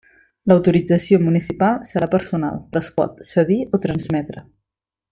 L'autorització municipal serà personal, però es pot cedir o transmetre.